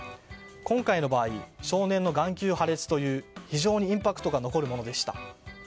今回の場合少年の眼球破裂という非常にインパクトが残るものでした。